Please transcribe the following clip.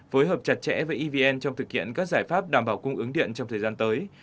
phối hợp chặt chẽ với evn trong thực hiện các giải pháp đảm bảo cung ứng điện trong thời gian tới